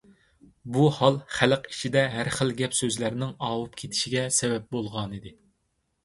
بۇ ھال خەلق ئىچىدە ھەر خىل گەپ-سۆزلەرنىڭ ئاۋۇپ كېتىشىگە سەۋەب بولغانىدى.